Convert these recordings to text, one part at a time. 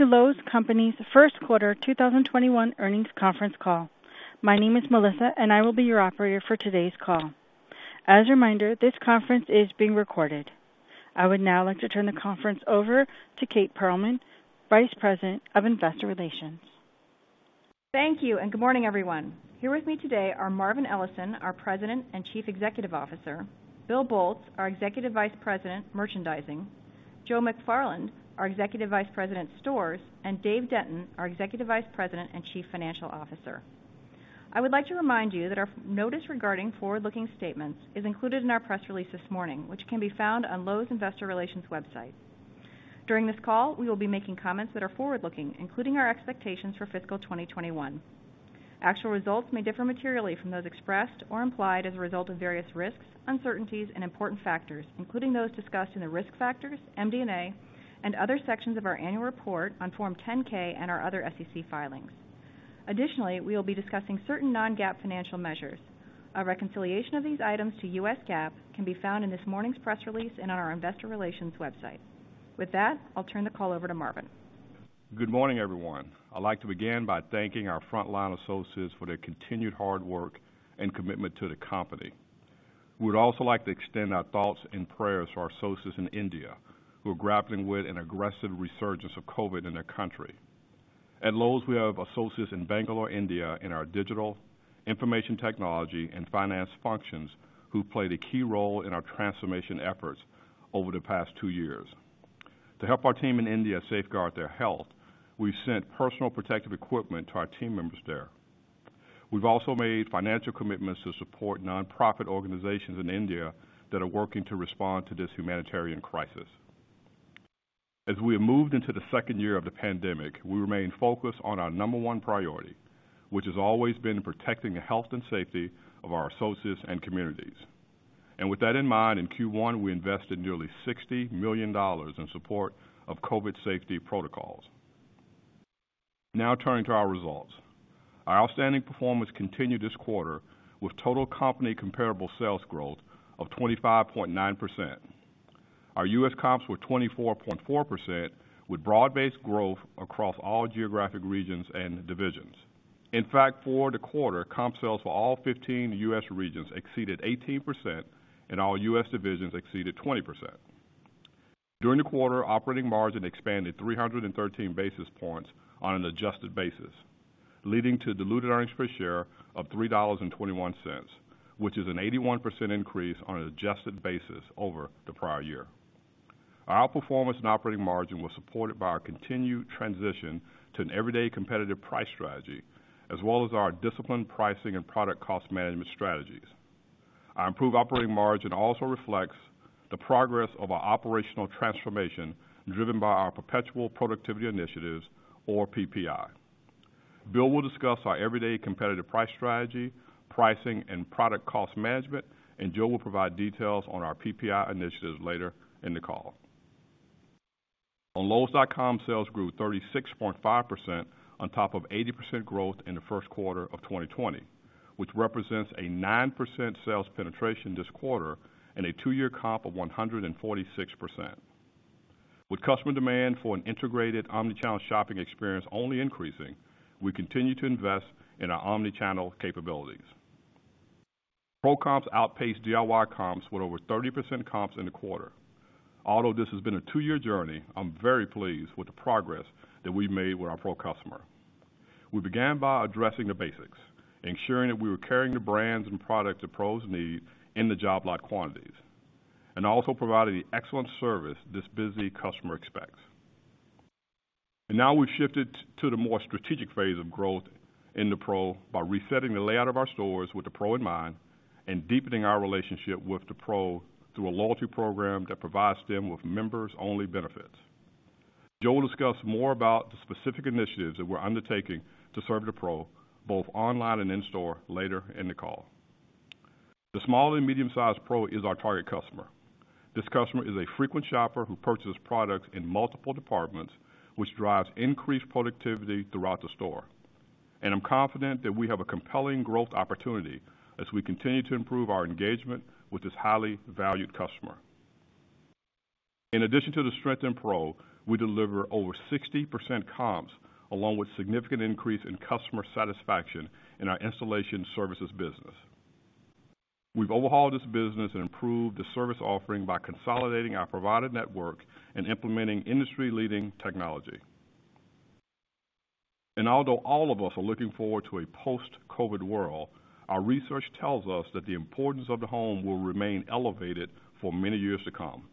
Welcome to Lowe's Companies first quarter 2021 earnings conference call. My name is Melissa. I will be your operator for today's call. As a reminder, this conference is being recorded. I would now like to turn the conference over to Kate Pearlman, Vice President of Investor Relations. Thank you, and good morning, everyone. Here with me today are Marvin Ellison, our President and Chief Executive Officer, Bill Boltz, our Executive Vice President, Merchandising, Joe McFarland, our Executive Vice President, Stores, and Dave Denton, our Executive Vice President and Chief Financial Officer. I would like to remind you that our notice regarding forward-looking statements is included in our press release this morning, which can be found on Lowe's investor relations website. During this call, we will be making comments that are forward-looking, including our expectations for fiscal 2021. Actual results may differ materially from those expressed or implied as a result of various risks, uncertainties, and important factors, including those discussed in the Risk Factors, MD&A, and other sections of our annual report on Form 10-K and our other SEC filings. Additionally, we will be discussing certain non-GAAP financial measures. Our reconciliation of these items to U.S. GAAP can be found in this morning's press release in our investor relations website. With that, I'll turn the call over to Marvin. Good morning, everyone. I'd like to begin by thanking our frontline associates for their continued hard work and commitment to the company. We'd also like to extend our thoughts and prayers to our associates in India who are grappling with an aggressive resurgence of COVID in their country. At Lowe's, we have associates in Bangalore, India, in our digital information technology and finance functions who played a key role in our transformation efforts over the past two years. To help our team in India safeguard their health, we've sent personal protective equipment to our team members there. We've also made financial commitments to support nonprofit organizations in India that are working to respond to this humanitarian crisis. As we have moved into the second year of the pandemic, we remain focused on our number one priority, which has always been protecting the health and safety of our associates and communities. With that in mind, in Q1, we invested nearly $60 million in support of COVID safety protocols. Turning to our results. Our outstanding performance continued this quarter with total company comparable sales growth of 25.9%. Our U.S. comps were 24.4% with broad-based growth across all geographic regions and divisions. For the quarter, comp sales for all 15 U.S. regions exceeded 18% and all U.S. divisions exceeded 20%. During the quarter, operating margin expanded 313 basis points on an adjusted basis, leading to diluted earnings per share of $3.21, which is an 81% increase on an adjusted basis over the prior year. Our outperformance in operating margin was supported by our continued transition to an everyday competitive price strategy, as well as our disciplined pricing and product cost management strategies. Our improved operating margin also reflects the progress of our operational transformation driven by our perpetual productivity initiatives or PPI. Bill will discuss our everyday competitive price strategy, pricing, and product cost management, and Joe will provide details on our PPI initiatives later in the call. On lowes.com, sales grew 36.5% on top of 80% growth in the first quarter of 2020, which represents a 9% sales penetration this quarter and a two-year comp of 146%. With customer demand for an integrated omnichannel shopping experience only increasing, we continue to invest in our omnichannel capabilities. Pro comps outpaced DIY comps with over 30% comps in the quarter. Although this has been a two-year journey, I'm very pleased with the progress that we've made with our Pro customer. We began by addressing the basics, ensuring that we were carrying the brands and products that pros need in the job lot quantities, also providing the excellent service this busy customer expects. Now we've shifted to the more strategic phase of growth in the pro by resetting the layout of our stores with the pro in mind and deepening our relationship with the pro through a loyalty program that provides them with members-only benefits. Joe will discuss more about the specific initiatives that we're undertaking to serve the pro both online and in-store later in the call. The small and medium-sized pro is our target customer. This customer is a frequent shopper who purchases products in multiple departments, which drives increased productivity throughout the store. I'm confident that we have a compelling growth opportunity as we continue to improve our engagement with this highly valued customer. In addition to the strength in pro, we deliver over 60% comps along with significant increase in customer satisfaction in our installation services business. We've overhauled this business and improved the service offering by consolidating our provider network and implementing industry-leading technology. Although all of us are looking forward to a post-COVID world, our research tells us that the importance of the home will remain elevated for many years to come.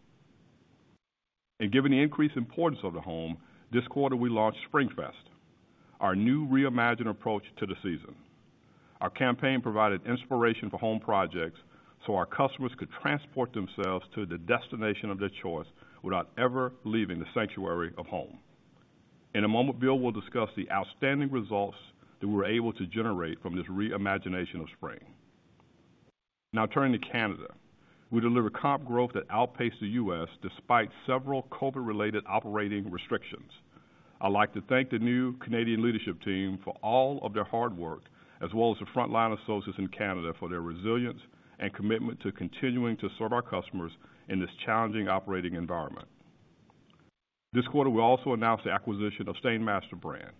Given the increased importance of the home, this quarter we launched SpringFest, our new reimagined approach to the season. Our campaign provided inspiration for home projects so our customers could transport themselves to the destination of their choice without ever leaving the sanctuary of home. In a moment, Bill will discuss the outstanding results that we were able to generate from this reimagination of spring. Turning to Canada. We delivered comp growth that outpaced the U.S. despite several COVID-related operating restrictions. I'd like to thank the new Canadian leadership team for all of their hard work, as well as the frontline associates in Canada for their resilience and commitment to continuing to serve our customers in this challenging operating environment. This quarter, we also announced the acquisition of STAINMASTER brand,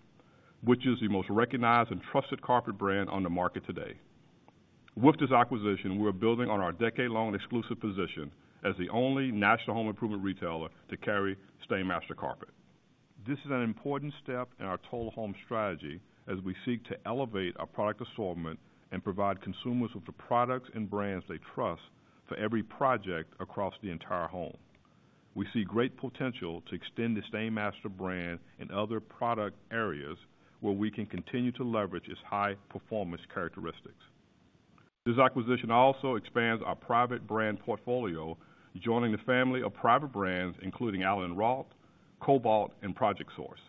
which is the most recognized and trusted carpet brand on the market today. With this acquisition, we're building on our decade-long exclusive position as the only national home improvement retailer to carry STAINMASTER carpet. This is an important step in our total home strategy as we seek to elevate our product assortment and provide consumers with the products and brands they trust for every project across the entire home. We see great potential to extend the STAINMASTER brand in other product areas where we can continue to leverage its high-performance characteristics. This acquisition also expands our private brand portfolio, joining the family of private brands including allen + roth, Kobalt, and Project Source.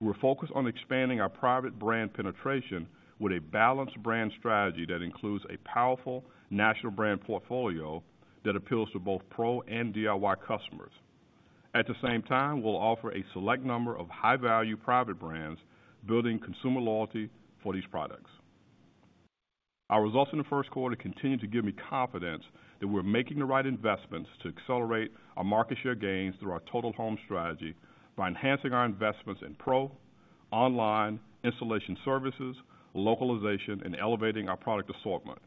We're focused on expanding our private brand penetration with a balanced brand strategy that includes a powerful national brand portfolio that appeals to both pro and DIY customers. At the same time, we'll offer a select number of high-value private brands, building consumer loyalty for these products. Our results in the first quarter continue to give me confidence that we're making the right investments to accelerate our market share gains through our total home strategy by enhancing our investments in pro, online, installation services, localization, and elevating our product assortment.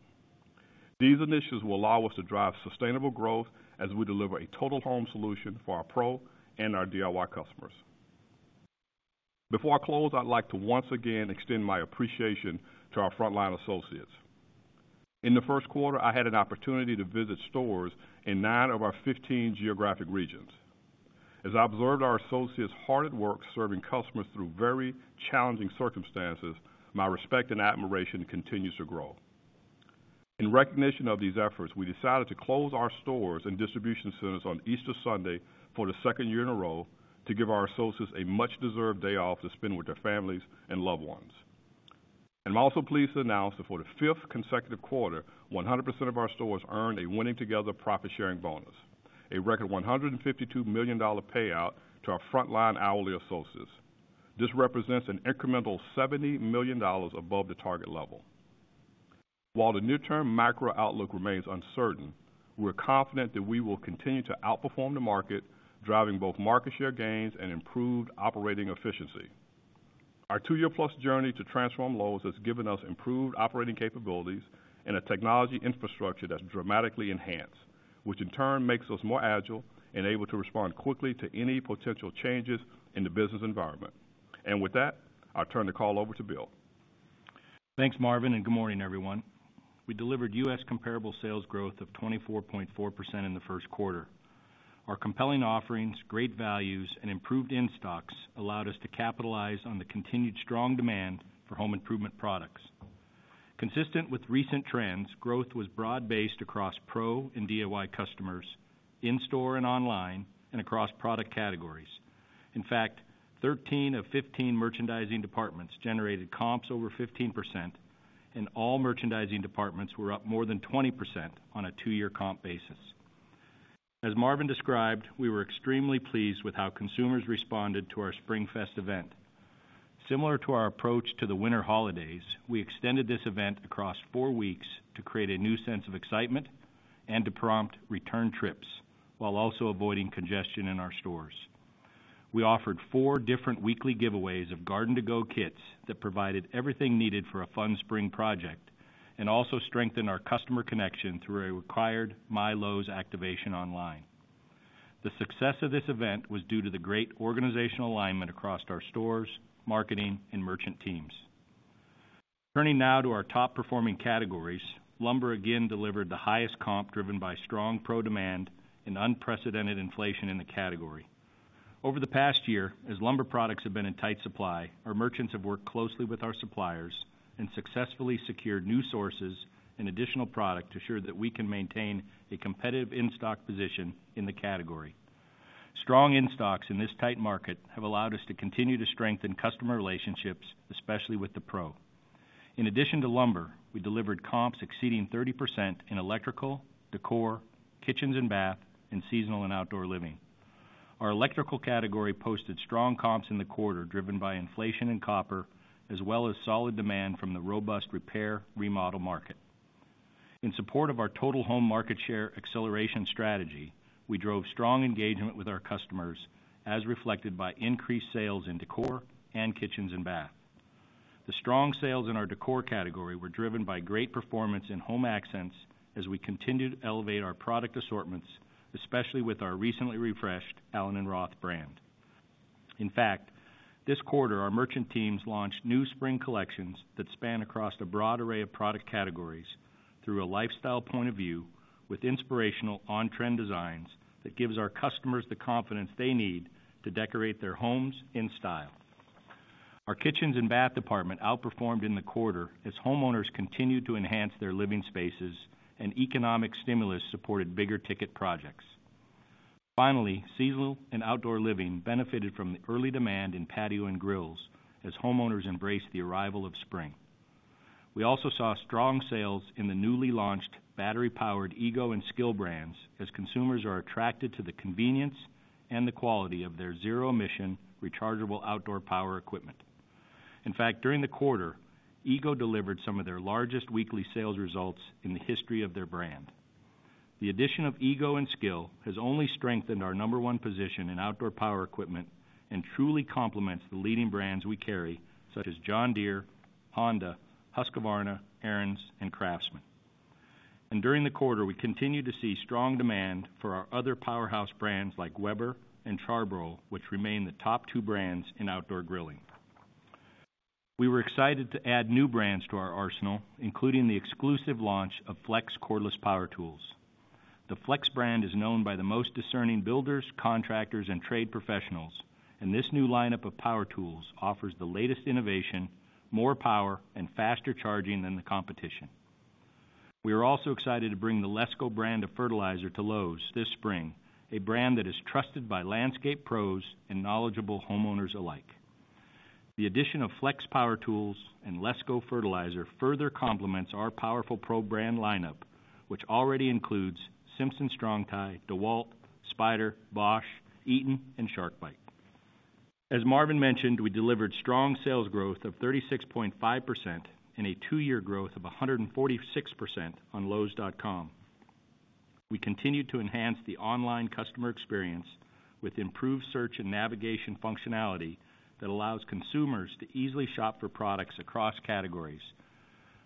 These initiatives will allow us to drive sustainable growth as we deliver a total home solution for our pro and our DIY customers. Before I close, I'd like to once again extend my appreciation to our frontline associates. In the first quarter, I had an opportunity to visit stores in nine of our 15 geographic regions. As I observed our associates hard at work serving customers through very challenging circumstances, my respect and admiration continues to grow. In recognition of these efforts, we decided to close our stores and distribution centers on Easter Sunday for the second year in a row to give our associates a much-deserved day off to spend with their families and loved ones. I'm also pleased to announce that for the fifth consecutive quarter, 100% of our stores earned a Winning Together profit-sharing bonus, a record $152 million payout to our frontline hourly associates. This represents an incremental $70 million above the target level. While the near-term macro outlook remains uncertain, we're confident that we will continue to outperform the market, driving both market share gains and improved operating efficiency. Our two-year-plus journey to transform Lowe's has given us improved operating capabilities and a technology infrastructure that's dramatically enhanced, which in turn makes us more agile and able to respond quickly to any potential changes in the business environment. With that, I'll turn the call over to Bill. Thanks, Marvin, and good morning, everyone. We delivered U.S. comparable sales growth of 24.4% in the first quarter. Our compelling offerings, great values, and improved in-stocks allowed us to capitalize on the continued strong demand for home improvement products. Consistent with recent trends, growth was broad-based across pro and DIY customers, in-store and online, and across product categories. In fact, 13 of 15 merchandising departments generated comps over 15%, and all merchandising departments were up more than 20% on a two-year comp basis. As Marvin described, we were extremely pleased with how consumers responded to our SpringFest event. Similar to our approach to the winter holidays, we extended this event across four weeks to create a new sense of excitement and to prompt return trips while also avoiding congestion in our stores. We offered four different weekly giveaways of Garden-to-Go kits that provided everything needed for a fun spring project and also strengthened our customer connection through a required MyLowe's activation online. The success of this event was due to the great organizational alignment across our stores, marketing, and merchant teams. Turning now to our top-performing categories, lumber again delivered the highest comp driven by strong pro demand and unprecedented inflation in the category. Over the past year, as lumber products have been in tight supply, our merchants have worked closely with our suppliers and successfully secured new sources and additional product to ensure that we can maintain a competitive in-stock position in the category. Strong in-stocks in this tight market have allowed us to continue to strengthen customer relationships, especially with the pro. In addition to lumber, we delivered comps exceeding 30% in electrical, decor, kitchens and bath, and seasonal and outdoor living. Our electrical category posted strong comps in the quarter, driven by inflation in copper, as well as solid demand from the robust repair/remodel market. In support of our total home market share acceleration strategy, we drove strong engagement with our customers, as reflected by increased sales in decor and kitchens and bath. The strong sales in our decor category were driven by great performance in home accents as we continue to elevate our product assortments, especially with our recently refreshed allen + roth brand. In fact, this quarter, our merchant teams launched new spring collections that span across a broad array of product categories through a lifestyle point of view with inspirational on-trend designs that gives our customers the confidence they need to decorate their homes in style. Our kitchens and bath department outperformed in the quarter as homeowners continued to enhance their living spaces and economic stimulus supported bigger-ticket projects. Finally, seasonal and outdoor living benefited from the early demand in patio and grills as homeowners embraced the arrival of spring. We also saw strong sales in the newly launched battery-powered EGO and SKIL brands as consumers are attracted to the convenience and the quality of their zero-emission rechargeable outdoor power equipment. In fact, during the quarter, EGO delivered some of their largest weekly sales results in the history of their brand. The addition of EGO and SKIL has only strengthened our number one position in outdoor power equipment and truly complements the leading brands we carry, such as John Deere, Honda, Husqvarna, Ariens, and Craftsman. During the quarter, we continued to see strong demand for our other powerhouse brands like Weber and Char-Broil, which remain the top two brands in outdoor grilling. We were excited to add new brands to our arsenal, including the exclusive launch of FLEX cordless power tools. The FLEX brand is known by the most discerning builders, contractors, and trade professionals, and this new lineup of power tools offers the latest innovation, more power, and faster charging than the competition. We are also excited to bring the LESCO brand of fertilizer to Lowe's this spring, a brand that is trusted by landscape pros and knowledgeable homeowners alike. The addition of FLEX power tools and LESCO fertilizer further complements our powerful pro brand lineup, which already includes Simpson Strong-Tie, DeWalt, Spyder, Bosch, Eaton, and SharkBite. As Marvin mentioned, we delivered strong sales growth of 36.5% and a two-year growth of 146% on lowes.com. We continue to enhance the online customer experience with improved search and navigation functionality that allows consumers to easily shop for products across categories.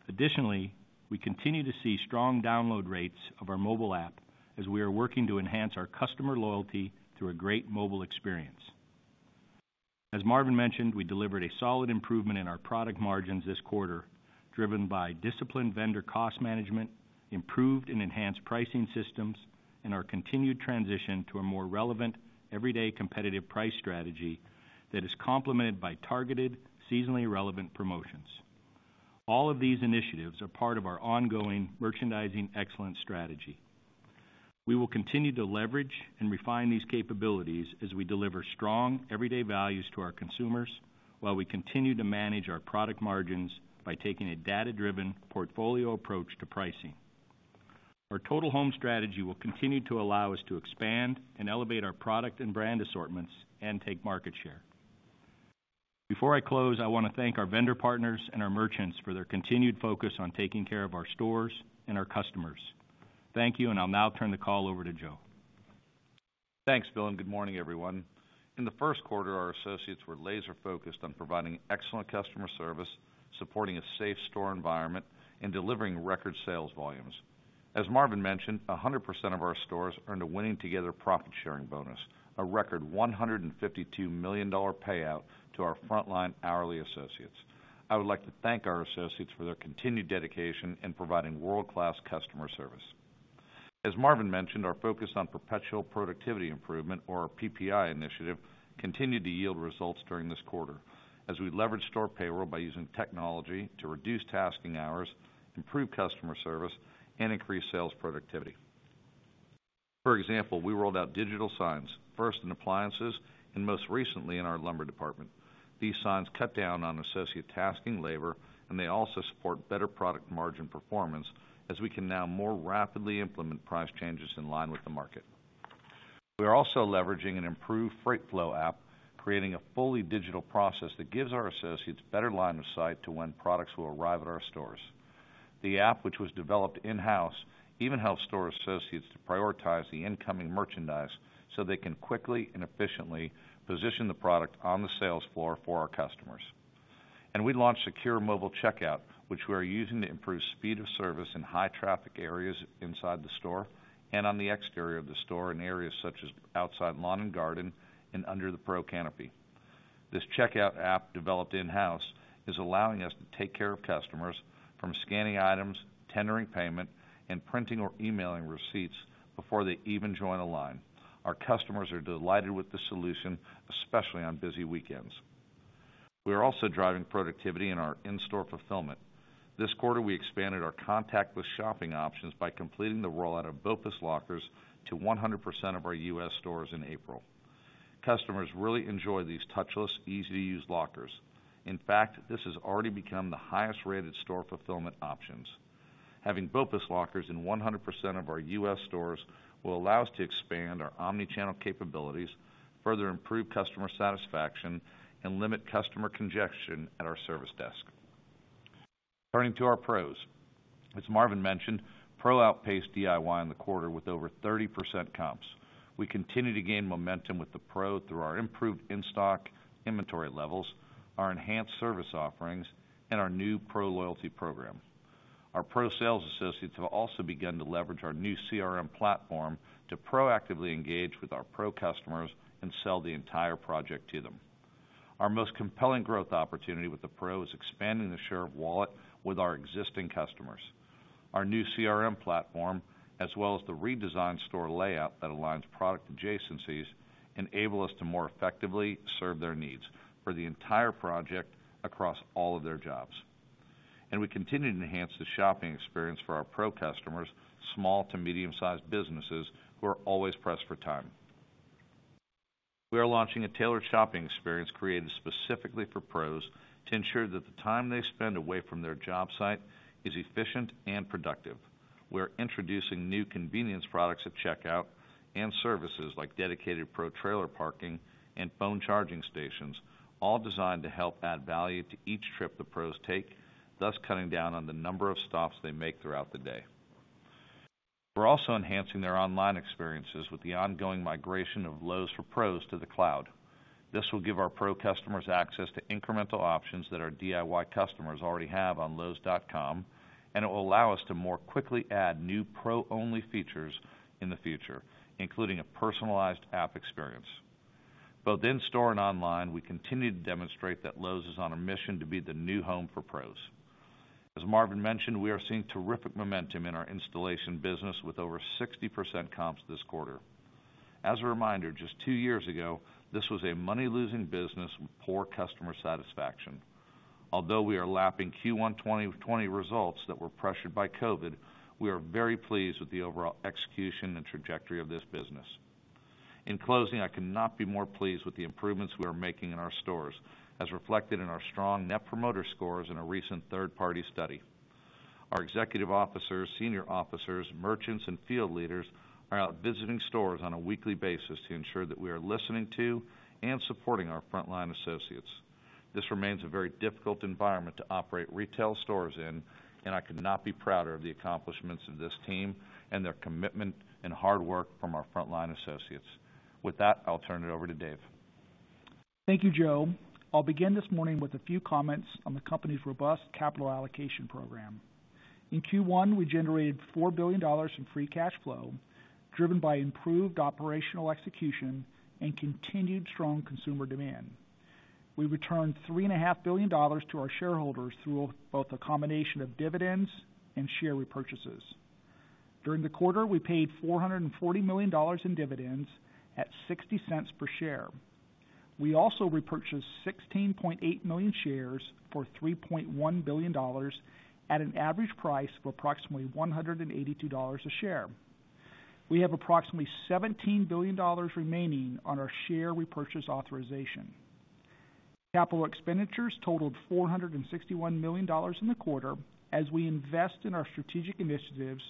Additionally, we continue to see strong download rates of our mobile app as we are working to enhance our customer loyalty through a great mobile experience. As Marvin mentioned, we delivered a solid improvement in our product margins this quarter, driven by disciplined vendor cost management, improved and enhanced pricing systems, and our continued transition to a more relevant, everyday competitive price strategy that is complemented by targeted, seasonally relevant promotions. All of these initiatives are part of our ongoing merchandising excellence strategy. We will continue to leverage and refine these capabilities as we deliver strong, everyday values to our consumers while we continue to manage our product margins by taking a data-driven portfolio approach to pricing. Our total home strategy will continue to allow us to expand and elevate our product and brand assortments and take market share. Before I close, I want to thank our vendor partners and our merchants for their continued focus on taking care of our stores and our customers. Thank you. I'll now turn the call over to Joe. Thanks, Bill. Good morning, everyone. In the first quarter, our associates were laser-focused on providing excellent customer service, supporting a safe store environment, and delivering record sales volumes. As Marvin mentioned, 100% of our stores earned a Winning Together profit-sharing bonus, a record $152 million payout to our frontline hourly associates. I would like to thank our associates for their continued dedication in providing world-class customer service. As Marvin mentioned, our focus on perpetual productivity improvement or our PPI initiative continued to yield results during this quarter as we leveraged store payroll by using technology to reduce tasking hours, improve customer service, and increase sales productivity. For example, we rolled out digital signs, first in appliances, and most recently in our lumber department. These signs cut down on associate tasking labor, and they also support better product margin performance as we can now more rapidly implement price changes in line with the market. We are also leveraging an improved freight flow app, creating a fully digital process that gives our associates better line of sight to when products will arrive at our stores. The app, which was developed in-house, even helps store associates to prioritize the incoming merchandise so they can quickly and efficiently position the product on the sales floor for our customers. We launched secure mobile checkout, which we are using to improve speed of service in high-traffic areas inside the store and on the exterior of the store in areas such as outside lawn and garden and under the pro canopy. This checkout app, developed in-house, is allowing us to take care of customers from scanning items, tendering payment, and printing or emailing receipts before they even join a line. Our customers are delighted with this solution, especially on busy weekends. We are also driving productivity in our in-store fulfillment. This quarter, we expanded our contactless shopping options by completing the rollout of BOPIS lockers to 100% of our U.S. stores in April. Customers really enjoy these touchless, easy-to-use lockers. In fact, this has already become the highest-rated store fulfillment options. Having BOPIS lockers in 100% of our U.S. stores will allow us to expand our omnichannel capabilities, further improve customer satisfaction, and limit customer congestion at our service desk. Turning to our pros. As Marvin mentioned, pro outpaced DIY in the quarter with over 30% comps. We continue to gain momentum with the pro through our improved in-stock inventory levels, our enhanced service offerings, and our new pro loyalty program. Our pro sales associates have also begun to leverage our new CRM platform to proactively engage with our pro customers and sell the entire project to them. Our most compelling growth opportunity with the pro is expanding the share of wallet with our existing customers. Our new CRM platform, as well as the redesigned store layout that aligns product adjacencies, enable us to more effectively serve their needs for the entire project across all of their jobs. We continue to enhance the shopping experience for our pro customers, small to medium-sized businesses, who are always pressed for time. We are launching a tailored shopping experience created specifically for pros to ensure that the time they spend away from their job site is efficient and productive. We're introducing new convenience products at checkout and services like dedicated pro trailer parking and phone charging stations, all designed to help add value to each trip the pros take, thus cutting down on the number of stops they make throughout the day. We're also enhancing their online experiences with the ongoing migration of Lowe's for Pros to the cloud. It will allow us to more quickly add new pro-only features in the future, including a personalized app experience. Both in-store and online, we continue to demonstrate that Lowe's is on a mission to be the new home for pros. As Marvin mentioned, we are seeing terrific momentum in our installation business with over 60% comps this quarter. As a reminder, just two years ago, this was a money-losing business with poor customer satisfaction. Although we are lapping Q1 2020 results that were pressured by COVID, we are very pleased with the overall execution and trajectory of this business. In closing, I cannot be more pleased with the improvements we are making in our stores, as reflected in our strong Net Promoter Score in a recent third-party study. Our executive officers, senior officers, merchants, and field leaders are out visiting stores on a weekly basis to ensure that we are listening to and supporting our frontline associates. This remains a very difficult environment to operate retail stores in, and I could not be prouder of the accomplishments of this team and the commitment and hard work from our frontline associates. With that, I'll turn it over to Dave. Thank you, Joe. I'll begin this morning with a few comments on the company's robust capital allocation program. In Q1, we generated $4 billion in free cash flow, driven by improved operational execution and continued strong consumer demand. We returned $3.5 billion to our shareholders through both a combination of dividends and share repurchases. During the quarter, we paid $440 million in dividends at $0.60 per share. We also repurchased 16.8 million shares for $3.1 billion at an average price of approximately $182 a share. We have approximately $17 billion remaining on our share repurchase authorization. Capital expenditures totaled $461 million in the quarter as we invest in our strategic initiatives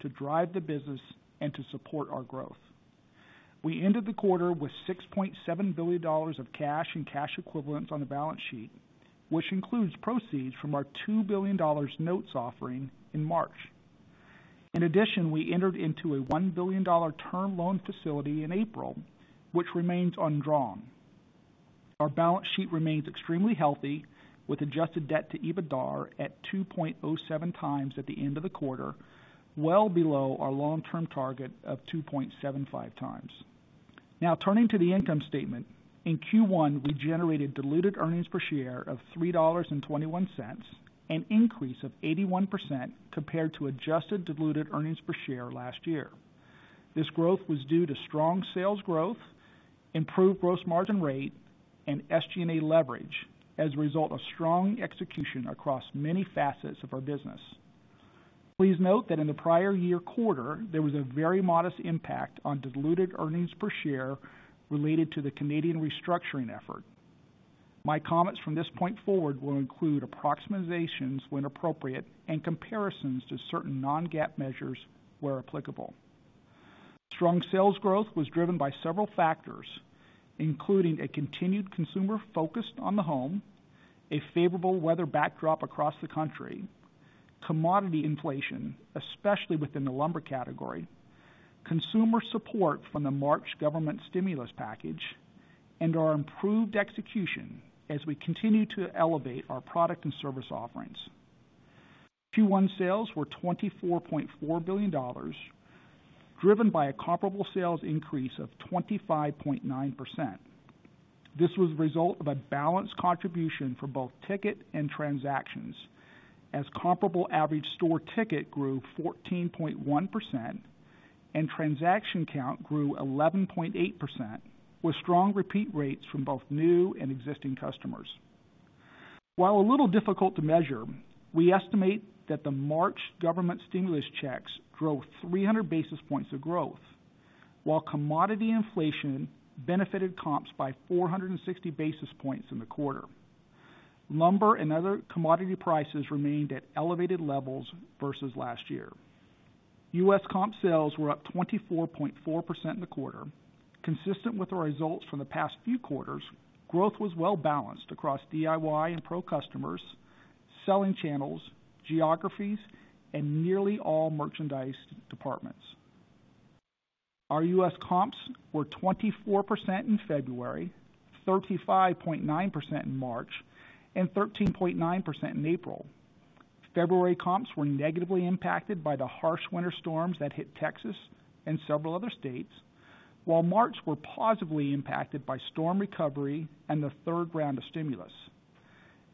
to drive the business and to support our growth. We ended the quarter with $6.7 billion of cash and cash equivalents on the balance sheet, which includes proceeds from our $2 billion notes offering in March. We entered into a $1 billion term loan facility in April, which remains undrawn. Our balance sheet remains extremely healthy, with adjusted debt to EBITDA at 2.07 times at the end of the quarter, well below our long-term target of 2.75 times. Turning to the income statement. In Q1, we generated diluted earnings per share of $3.21, an increase of 81% compared to adjusted diluted earnings per share last year. This growth was due to strong sales growth, improved gross margin rate, and SG&A leverage as a result of strong execution across many facets of our business. Please note that in the prior year quarter, there was a very modest impact on diluted earnings per share related to the Canadian restructuring effort. My comments from this point forward will include approximations when appropriate and comparisons to certain non-GAAP measures where applicable. Strong sales growth was driven by several factors, including a continued consumer focus on the home, a favorable weather backdrop across the country, commodity inflation, especially within the lumber category, consumer support from the March government stimulus package, and our improved execution as we continue to elevate our product and service offerings. Q1 sales were $24.4 billion, driven by a comparable sales increase of 25.9%. This was a result of a balanced contribution from both ticket and transactions, as comparable average store ticket grew 14.1% and transaction count grew 11.8%, with strong repeat rates from both new and existing customers. While a little difficult to measure, we estimate that the March government stimulus checks drove 300 basis points of growth, while commodity inflation benefited comps by 460 basis points in the quarter. Lumber and other commodity prices remained at elevated levels versus last year. U.S. comp sales were up 24.4% in the quarter. Consistent with our results from the past few quarters, growth was well-balanced across DIY and pro customers, selling channels, geographies, and nearly all merchandise departments. Our U.S. comps were 24% in February, 35.9% in March, and 13.9% in April. February comps were negatively impacted by the harsh winter storms that hit Texas and several other states, while March were positively impacted by storm recovery and the third round of stimulus.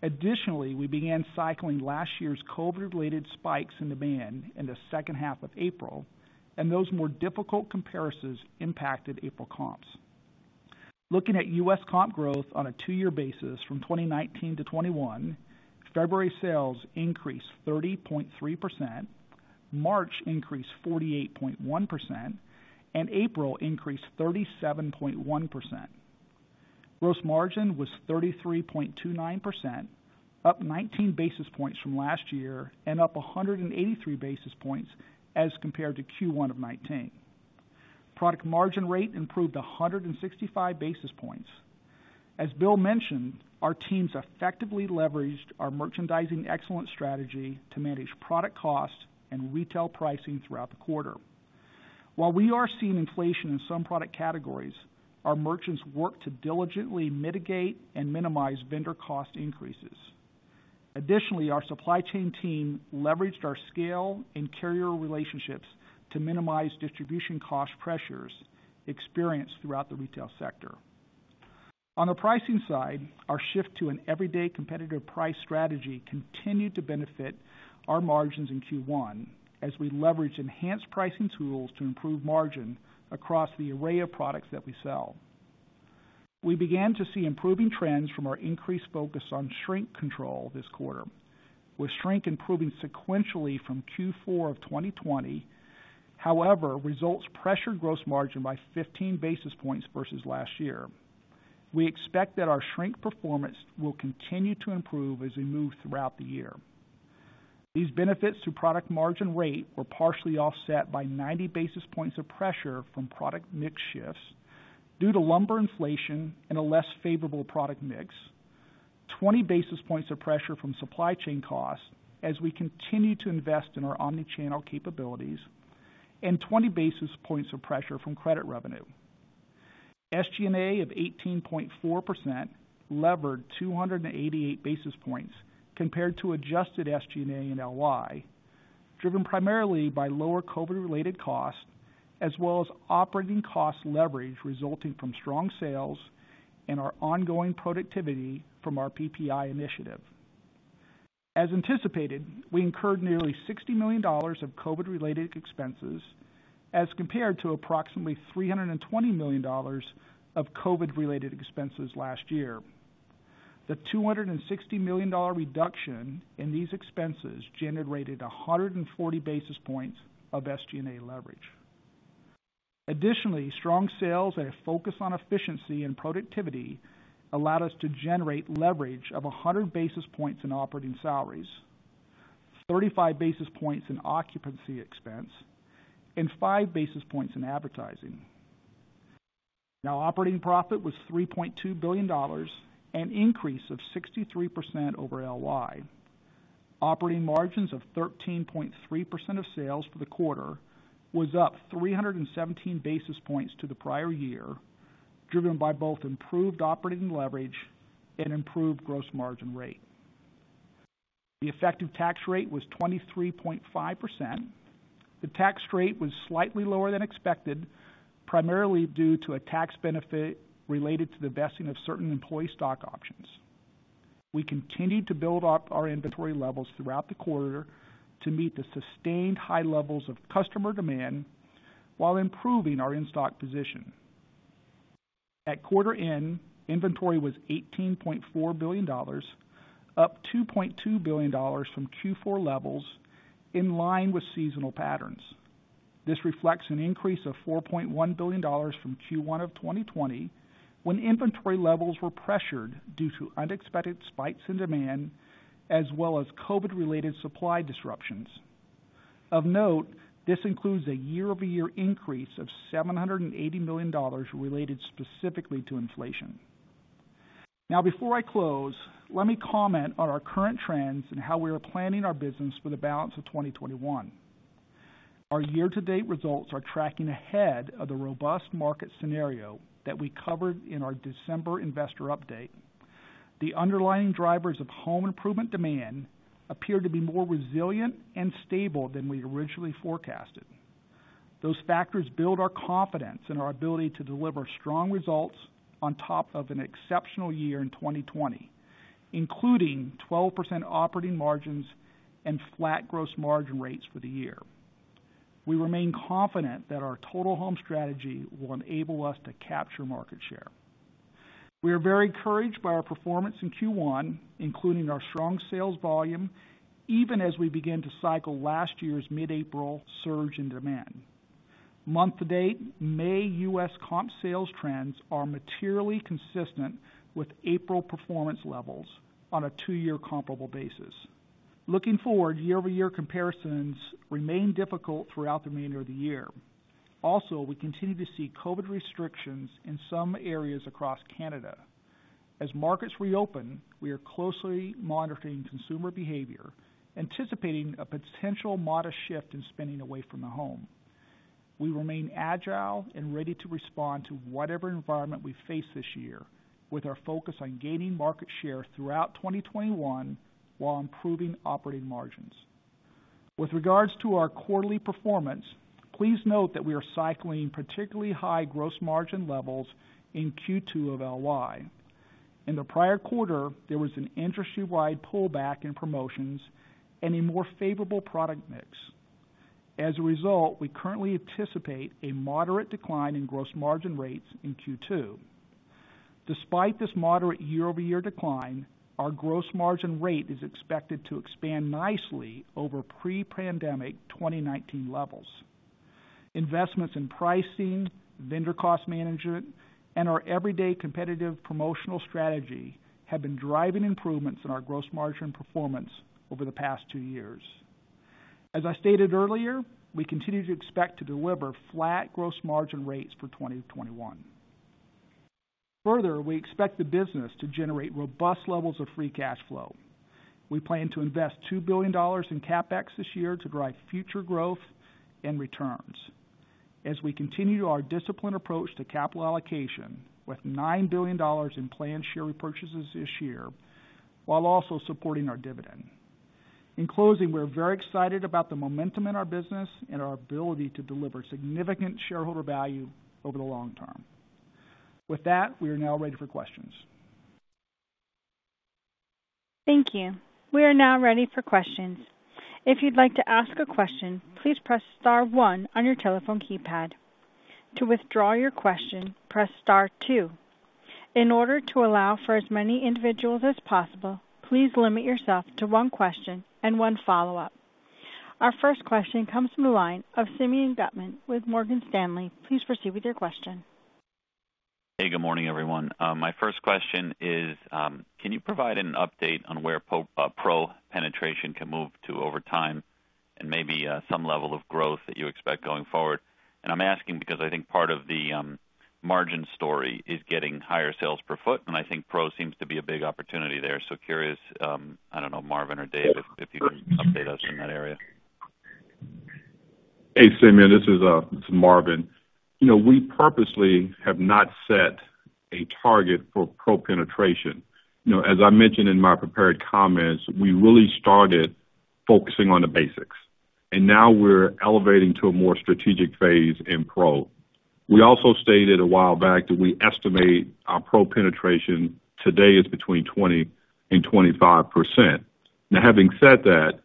Additionally, we began cycling last year's COVID-related spikes in demand in the second half of April, and those more difficult comparisons impacted April comps. Looking at U.S. comp growth on a two-year basis from 2019-2021, February sales increased 30.3%, March increased 48.1%, and April increased 37.1%. Gross margin was 33.29%, up 19 basis points from last year and up 183 basis points as compared to Q1 of 2019. Product margin rate improved 165 basis points. As Bill mentioned, our teams effectively leveraged our Merchandising Excellence Strategy to manage product cost and retail pricing throughout the quarter. While we are seeing inflation in some product categories, our merchants work to diligently mitigate and minimize vendor cost increases. Additionally, our supply chain team leveraged our scale and carrier relationships to minimize distribution cost pressures experienced throughout the retail sector. On the pricing side, our shift to an everyday competitive price strategy continued to benefit our margins in Q1 as we leveraged enhanced pricing tools to improve margin across the array of products that we sell. We began to see improving trends from our increased focus on shrink control this quarter, with shrink improving sequentially from Q4 of 2020. Results pressured gross margin by 15 basis points versus last year. We expect that our shrink performance will continue to improve as we move throughout the year. These benefits to product margin rate were partially offset by 90 basis points of pressure from product mix shifts due to lumber inflation and a less favorable product mix, 20 basis points of pressure from supply chain costs as we continue to invest in our omnichannel capabilities, and 20 basis points of pressure from credit revenue. SG&A of 18.4% levered 288 basis points compared to adjusted SG&A in LY, driven primarily by lower COVID-related costs as well as operating cost leverage resulting from strong sales and our ongoing productivity from our PPI initiative. As anticipated, we incurred nearly $60 million of COVID-related expenses as compared to approximately $320 million of COVID-related expenses last year. The $260 million reduction in these expenses generated 140 basis points of SG&A leverage. Additionally, strong sales and a focus on efficiency and productivity allowed us to generate leverage of 100 basis points in operating salaries, 35 basis points in occupancy expense, and five basis points in advertising. Now operating profit was $3.2 billion, an increase of 63% over LY. Operating margins of 13.3% of sales for the quarter was up 317 basis points to the prior year, driven by both improved operating leverage and improved gross margin rate. The effective tax rate was 23.5%. The tax rate was slightly lower than expected, primarily due to a tax benefit related to the vesting of certain employee stock options. We continued to build up our inventory levels throughout the quarter to meet the sustained high levels of customer demand while improving our in-stock position. At quarter end, inventory was $18.4 billion, up $2.2 billion from Q4 levels, in line with seasonal patterns. This reflects an increase of $4.1 billion from Q1 of 2020, when inventory levels were pressured due to unexpected spikes in demand, as well as COVID-related supply disruptions. Of note, this includes a year-over-year increase of $780 million related specifically to inflation. Before I close, let me comment on our current trends and how we are planning our business for the balance of 2021. Our year-to-date results are tracking ahead of the robust market scenario that we covered in our December investor update. The underlying drivers of home improvement demand appear to be more resilient and stable than we originally forecasted. Those factors build our confidence in our ability to deliver strong results on top of an exceptional year in 2020, including 12% operating margins and flat gross margin rates for the year. We remain confident that our total home strategy will enable us to capture market share. We are very encouraged by our performance in Q1, including our strong sales volume, even as we begin to cycle last year's mid-April surge in demand. Month to date, May U.S. comp sales trends are materially consistent with April performance levels on a two-year comparable basis. Looking forward, year-over-year comparisons remain difficult throughout the remainder of the year. We continue to see COVID restrictions in some areas across Canada. As markets reopen, we are closely monitoring consumer behavior, anticipating a potential modest shift in spending away from the home. We remain agile and ready to respond to whatever environment we face this year with our focus on gaining market share throughout 2021 while improving operating margins. With regards to our quarterly performance, please note that we are cycling particularly high gross margin levels in Q2 of LY. In the prior quarter, there was an industry-wide pullback in promotions and a more favorable product mix. As a result, we currently anticipate a moderate decline in gross margin rates in Q2. Despite this moderate year-over-year decline, our gross margin rate is expected to expand nicely over pre-pandemic 2019 levels. Investments in pricing, vendor cost management, and our everyday competitive promotional strategy have been driving improvements in our gross margin performance over the past two years. As I stated earlier, we continue to expect to deliver flat gross margin rates for 2021. Further, we expect the business to generate robust levels of free cash flow. We plan to invest $2 billion in CapEx this year to drive future growth and returns as we continue our disciplined approach to capital allocation with $9 billion in planned share repurchases this year, while also supporting our dividend. In closing, we're very excited about the momentum in our business and our ability to deliver significant shareholder value over the long term. With that, we are now ready for questions. Thank you. We are now ready for questions. If you'd like to ask a question, please press star one on your telephone keypad. To withdraw your question, press star two. In order to allow for as many individuals as possible, please limit yourself to one question and one follow-up. Our first question comes from the line of Simeon Gutman with Morgan Stanley. Please proceed with your question. Good morning, everyone. My first question is, can you provide an update on where Pro penetration can move to over time and maybe some level of growth that you expect going forward? I'm asking because I think part of the margin story is getting higher sales per foot, and I think Pro seems to be a big opportunity there. Curious, I don't know, Marvin or Dave, if you can update us in that area. Hey, Simeon, this is Marvin. We purposely have not set a target for Pro penetration. As I mentioned in my prepared comments, we really started focusing on the basics, and now we're elevating to a more strategic phase in Pro. We also stated a while back that we estimate our Pro penetration today is between 20% and 25%. Now, having said that,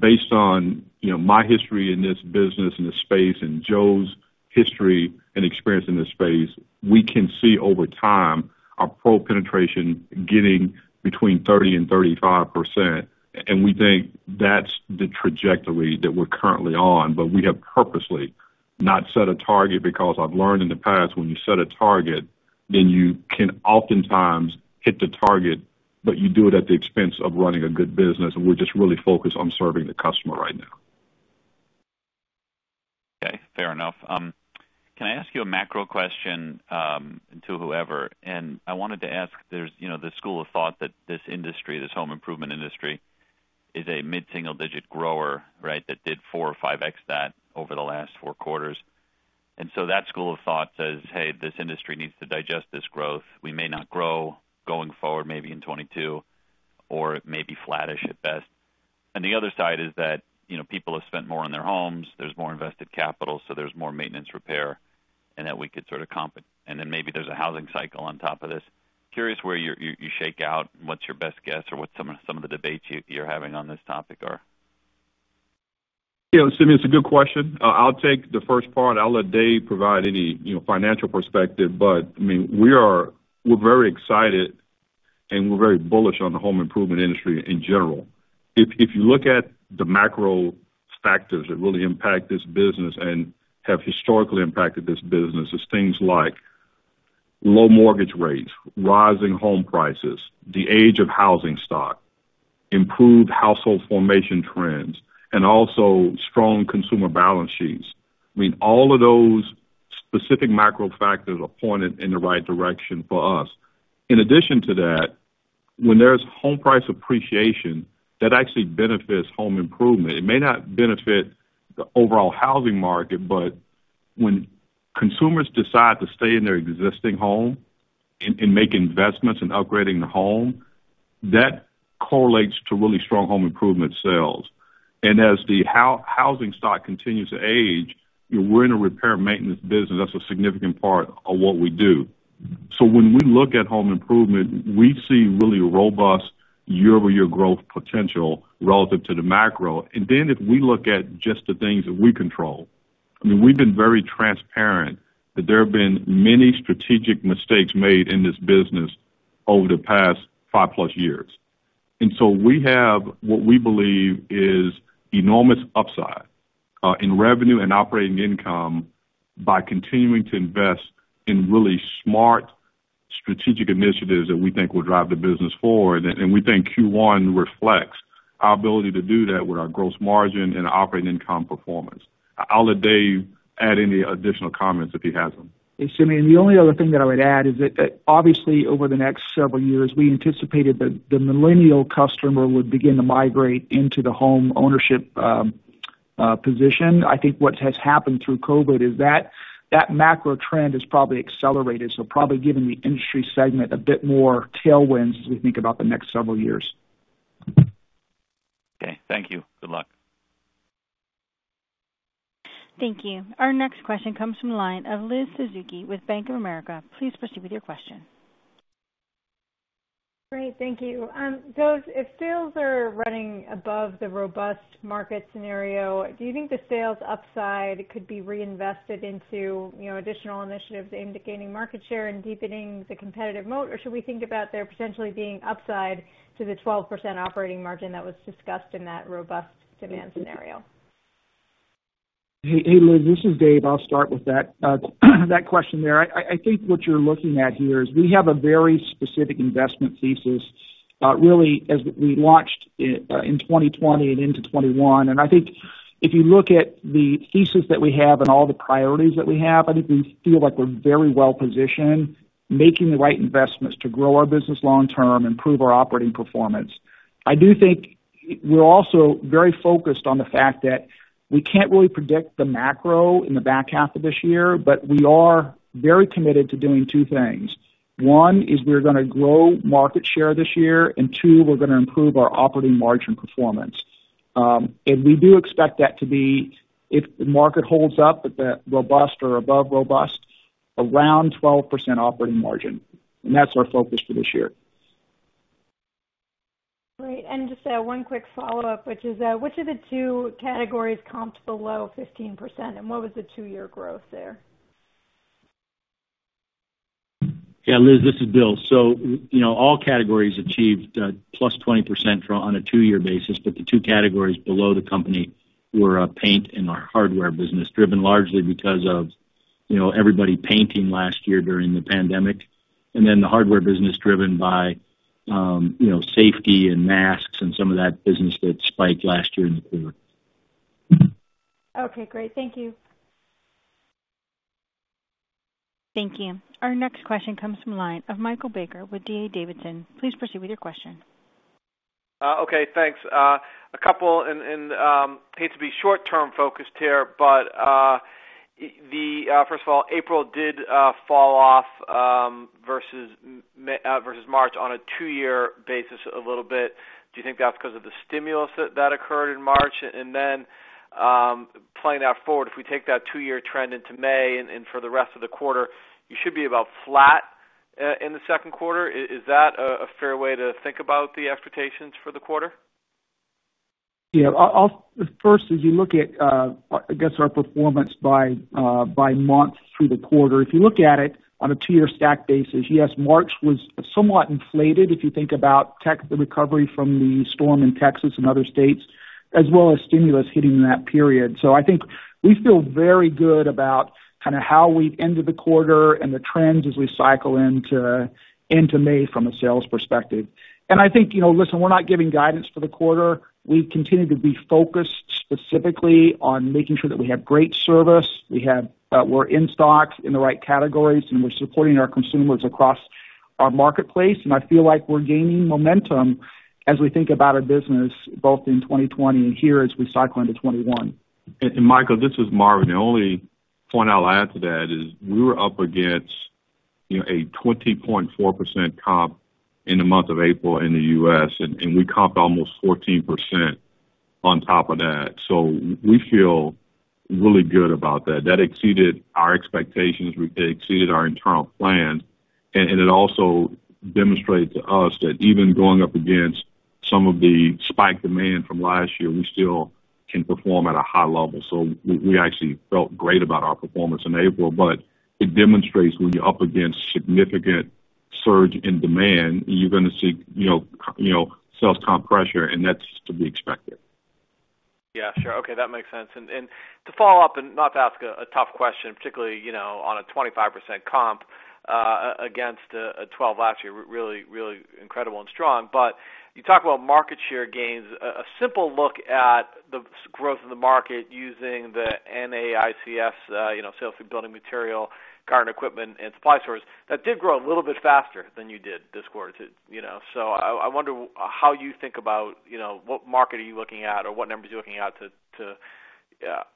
based on my history in this business, in the space, and Joe's history and experience in the space, we can see over time our Pro penetration getting between 30% and 35%, and we think that's the trajectory that we're currently on. We have purposely not set a target because I've learned in the past, when you set a target, then you can oftentimes hit the target, but you do it at the expense of running a good business, and we're just really focused on serving the customer right now. Okay, fair enough. Can I ask you a macro question to whoever? I wanted to ask, there's the school of thought that this industry, this home improvement industry, is a mid-single digit grower that did 4x or 5x that over the last four quarters. That school of thought says, Hey, this industry needs to digest this growth. We may not grow going forward, maybe in 2022, or it may be flattish at best. The other side is that people have spent more on their homes. There's more invested capital, so there's more maintenance repair, and then maybe there's a housing cycle on top of this. Curious where you shake out. What's your best guess, or what some of the debates you're having on this topic are? Simeon, it's a good question. I'll take the first part. I'll let Dave provide any financial perspective. We're very excited, and we're very bullish on the home improvement industry in general. If you look at the macro factors that really impact this business and have historically impacted this business as things like low mortgage rates, rising home prices, the age of housing stock, improved household formation trends, and also strong consumer balance sheets. All of those specific macro factors are pointed in the right direction for us. In addition to that, when there's home price appreciation, that actually benefits home improvement. It may not benefit the overall housing market, but when consumers decide to stay in their existing home and make investments in upgrading the home, that correlates to really strong home improvement sales. As the housing stock continues to age, we're in a repair and maintenance business. That's a significant part of what we do. When we look at home improvement, we see really robust year-over-year growth potential relative to the macro. If we look at just the things that we control, we've been very transparent that there have been many strategic mistakes made in this business over the past five-plus years. We have what we believe is enormous upside in revenue and operating income by continuing to invest in really smart strategic initiatives that we think will drive the business forward. We think Q1 reflects our ability to do that with our gross margin and operating income performance. I'll let Dave add any additional comments if he has them. Hey, Simeon, the only other thing that I would add is that obviously over the next several years, we anticipated that the millennial customer would begin to migrate into the home ownership position. I think what has happened through COVID is that macro trend is probably accelerated, so probably giving the industry segment a bit more tailwinds as we think about the next several years. Okay, thank you. Good luck. Thank you. Our next question comes from the line of Liz Suzuki with Bank of America. Please proceed with your question. Great, thank you. Joe, if sales are running above the robust market scenario, do you think the sales upside could be reinvested into additional initiatives aimed at gaining market share and deepening the competitive moat? Or should we think about there potentially being upside to the 12% operating margin that was discussed in that robust demand scenario? Hey, Liz, this is Dave. I'll start with that question there. I think what you're looking at here is we have a very specific investment thesis, really, as we launched in 2020 and into 2021. I think if you look at the thesis that we have and all the priorities that we have, I think we feel like we're very well-positioned, making the right investments to grow our business long term, improve our operating performance. I do think we're also very focused on the fact that we can't really predict the macro in the back half of this year, but we are very committed to doing two things. One is we're going to grow market share this year, and two, we're going to improve our operating margin performance. We do expect that to be, if the market holds up at that robust or above robust, around 12% operating margin. That's our focus for this year. Great. Just one quick follow-up, which is which of the two categories comps below 15%? What was the two-year growth there? Yeah, Liz, this is Bill. All categories achieved plus 20% on a two-year basis, the two categories below the company were our paint and our hardware business, driven largely because of everybody painting last year during the pandemic, the hardware business driven by safety and masks and some of that business that spiked last year in the quarter. Okay, great. Thank you. Thank you. Our next question comes from the line of Michael Baker with D.A. Davidson. Please proceed with your question. Okay, thanks. A couple, and hate to be short-term focused here. First of all, April did fall off versus March on a two-year basis a little bit. Do you think that's because of the stimulus that occurred in March? Playing that forward, if we take that two-year trend into May and for the rest of the quarter, you should be about flat in the second quarter. Is that a fair way to think about the expectations for the quarter? First, as you look at our performance by months through the quarter. If you look at it on a two-year stack basis, yes, March was somewhat inflated if you think about the recovery from the storm in Texas and other states, as well as stimulus hitting in that period. I think we feel very good about how we ended the quarter and the trends as we cycle into May from a sales perspective. I think, listen, we're not giving guidance for the quarter. We continue to be focused specifically on making sure that we have great service, that we're in stock in the right categories, and we're supporting our consumers across our marketplace. I feel like we're gaining momentum as we think about our business, both in 2020 and here as we cycle into 2021. Michael, this is Marvin. The only point I'll add to that is we were up against a 20.4% comp in the month of April in the U.S., and we comped almost 14% on top of that. We feel really good about that. That exceeded our expectations. It exceeded our internal plan, and it also demonstrated to us that even going up against some of the spike demand from last year, we still can perform at a high level. We actually felt great about our performance in April, but it demonstrates when you're up against significant surge in demand, you're going to see sales comp pressure, and that's to be expected. Yeah, sure. Okay, that makes sense. To follow up and not to ask a tough question, particularly on a 25% comp against a 12 last year, really incredible and strong. You talk about market share gains. A simple look at the growth of the market using the NAICS Sales & Building Material, Garden Equipment & Supply Stores, that did grow a little bit faster than you did this quarter. I wonder how you think about what market are you looking at or what numbers you're looking at to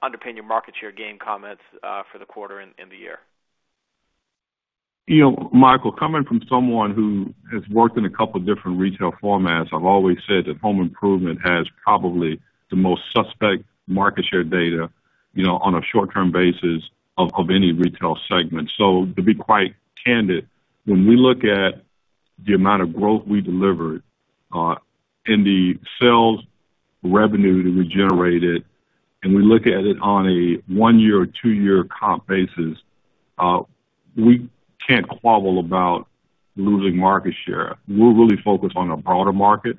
underpin your market share gain comments for the quarter and the year? Michael, coming from someone who has worked in a couple different retail formats, I've always said that home improvement has probably the most suspect market share data on a short-term basis of any retail segment. To be quite candid, when we look at the amount of growth we delivered and the sales revenue that we generated, and we look at it on a one-year or two-year comp basis, we can't quibble about losing market share. We're really focused on the broader market.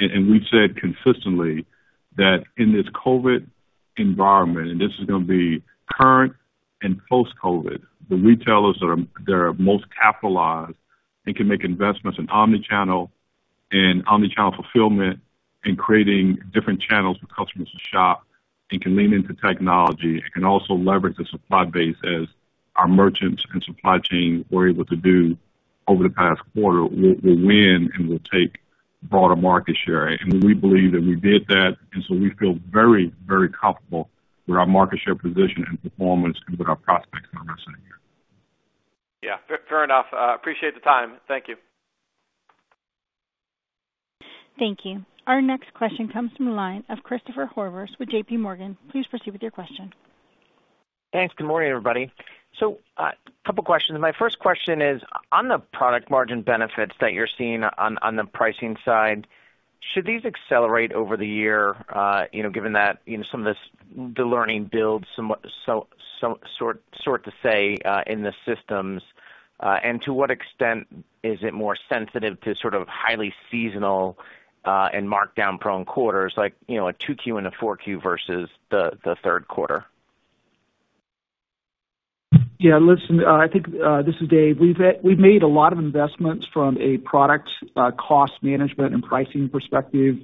We've said consistently that in this COVID environment, and this is going to be current and post-COVID, the retailers that are most capitalized and can make investments in omni-channel and omni-channel fulfillment and creating different channels for customers to shop and can lean into technology and can also leverage the supply base as our merchants and supply chain were able to do over the past quarter, will win and will take broader market share. We believe that we did that. We feel very comfortable with our market share position and performance and with our prospects in our second year. Yeah, fair enough. Appreciate the time. Thank you. Thank you. Our next question comes from the line of Christopher Horvers with JPMorgan. Please proceed with your question. Thanks. Good morning, everybody. A couple questions. My first question is on the product margin benefits that you're seeing on the pricing side, should these accelerate over the year given that the learning builds sort to say in the systems? To what extent is it more sensitive to sort of highly seasonal and markdown prone quarters, like 2Q and a 4Q versus the third quarter? Yeah, listen, I think, this is Dave. We've made a lot of investments from a product cost management and pricing perspective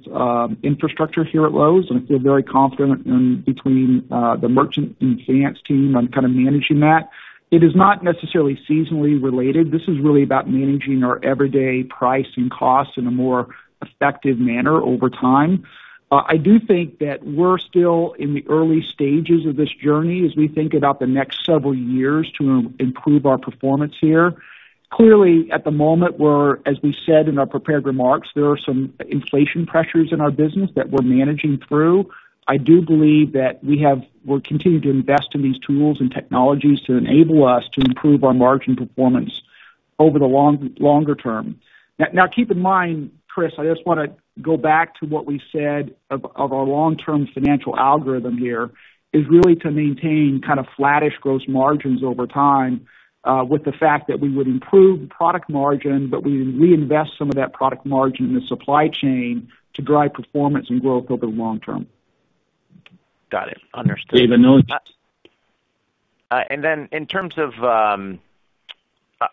infrastructure here at Lowe's, and I feel very confident in between the merchant and finance team on kind of managing that. It is not necessarily seasonally related. This is really about managing our everyday price and cost in a more effective manner over time. I do think that we're still in the early stages of this journey as we think about the next several years to improve our performance here. Clearly, at the moment, as we said in our prepared remarks, there are some inflation pressures in our business that we're managing through. I do believe that we'll continue to invest in these tools and technologies to enable us to improve our margin performance over the longer term. Keep in mind, Chris, I just want to go back to what we said of our long-term financial algorithm here, is really to maintain kind of flattish gross margins over time with the fact that we would improve the product margin, but we reinvest some of that product margin in the supply chain to drive performance and growth over the long term. Got it. Understood. Dave. In terms of,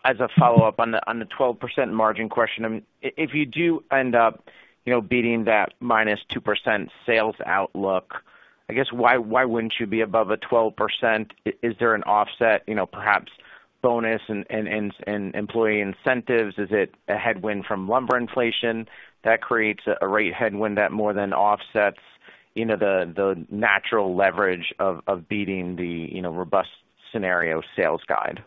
as a follow-up on the 12% margin question, if you do end up beating that minus 2% sales outlook, I guess why wouldn't you be above a 12%? Is there an offset, perhaps bonus and employee incentives? Is it a headwind from lumber inflation that creates a rate headwind that more than offsets the natural leverage of beating the robust scenario sales guide?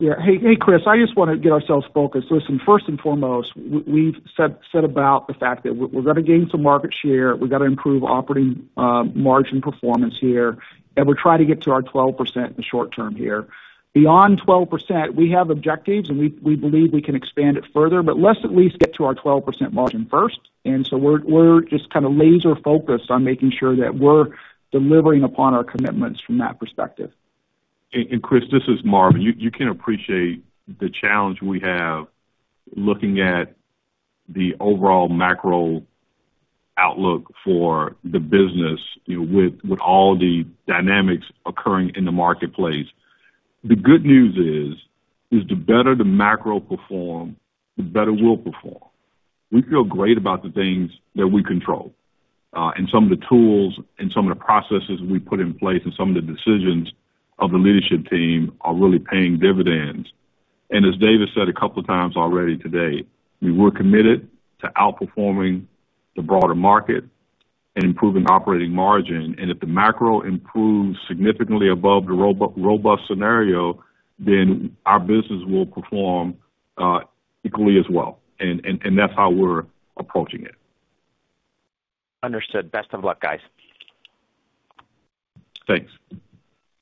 Yeah. Hey, Chris, I just want to get ourselves focused. Listen, first and foremost, we've said about the fact that we're going to gain some market share, we've got to improve operating margin performance here. We're trying to get to our 12% in the short term here. Beyond 12%, we have objectives, and we believe we can expand it further, but let's at least get to our 12% margin first. We're just kind of laser focused on making sure that we're delivering upon our commitments from that perspective. Chris, this is Marvin. You can appreciate the challenge we have looking at the overall macro outlook for the business with all the dynamics occurring in the marketplace. The good news is, the better the macro perform, the better we'll perform. We feel great about the things that we control. Some of the tools and some of the processes we put in place and some of the decisions of the leadership team are really paying dividends. As Dave said a couple of times already today, we're committed to outperforming the broader market and improving operating margin. If the macro improves significantly above the robust scenario, then our business will perform equally as well, and that's how we're approaching it. Understood. Best of luck, guys. Thanks.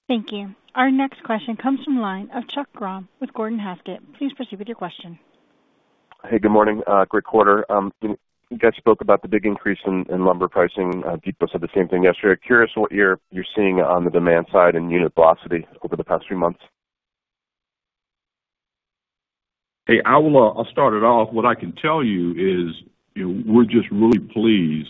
Thank you. Our next question comes from the line of Chuck Grom with Gordon Haskett. Please proceed with your question. Hey, good morning. Great quarter. You guys spoke about the big increase in lumber pricing. Depot said the same thing yesterday. I'm curious what you're seeing on the demand side and unit velocity over the past few months. Hey, I'll start it off. What I can tell you is we're just really pleased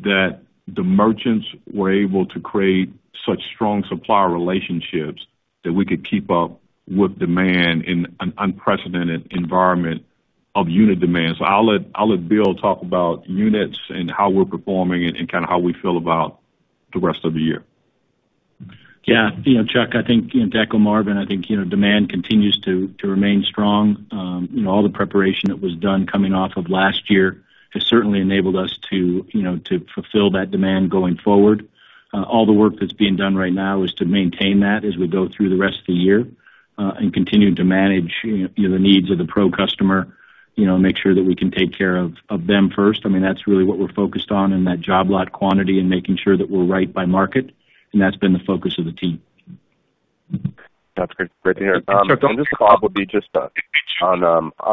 that the merchants were able to create such strong supplier relationships that we could keep up with demand in an unprecedented environment of unit demand. I'll let Bill talk about units and how we're performing and kind of how we feel about the rest of the year. Yeah. Chuck, I think to echo Marvin, I think demand continues to remain strong. All the preparation that was done coming off of last year has certainly enabled us to fulfill that demand going forward. All the work that's being done right now is to maintain that as we go through the rest of the year, and continue to manage the needs of the pro customer, make sure that we can take care of them first. I mean, that's really what we're focused on in that job lot quantity and making sure that we're right by market, and that's been the focus of the team. That's great. This comp will be just on